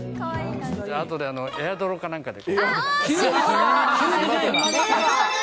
あとでエアドロかなんかで。